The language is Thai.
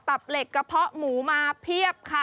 เหล็กกระเพาะหมูมาเพียบค่ะ